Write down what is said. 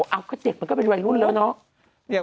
เอาค่ะเด็กมันก็เป็นวัยรู้แล้วเนอะ